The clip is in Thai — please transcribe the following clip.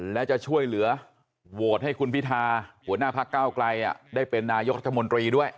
และจะช่วยเหลือโหวตให้คุณพิธาหัวหน้าพักเก้าไกลได้เป็นนายกรัฐมนตรีด้วย